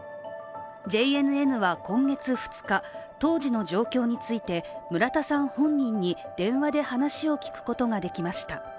ＪＮＮは今月２日、当時の状況について村田さん本人に電話で話を聞くことができました。